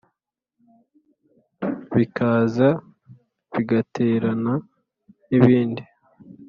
bikaza bigaterana n íbindi